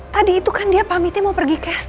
tadi itu kan dia pamitnya mau pergi ke rumah sakit